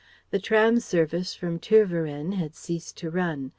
The tram service from Tervueren had ceased to run.